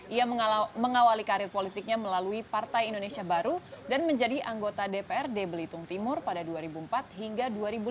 ia mengawali karir politiknya melalui partai indonesia baru dan menjadi anggota dprd belitung timur pada dua ribu empat hingga dua ribu lima